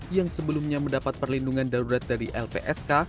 yang sebelumnya mendapat perlindungan darurat dari lpsk